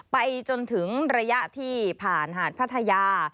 ไปจนถึงระยะที่ผ่านหาดพัทยา